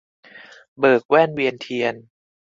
เบิกแว่นเวียนเทียน